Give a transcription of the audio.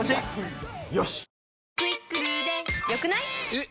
えっ！